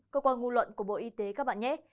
cơ quan ngu luận của bộ y tế các bạn nhé